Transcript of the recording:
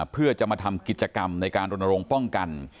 เพื่อจะมาทำกิจกรรมในการรณรงค์ป้องกัน